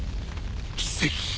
奇跡。